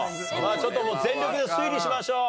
ちょっともう全力で推理しましょう。